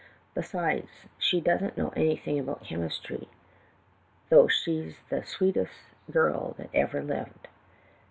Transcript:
Besides, she doesn't know anything about chemistry, though she 's the sweetest girl that ever lived.